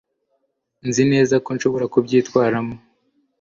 nzi neza ko nshobora kubyitwaramo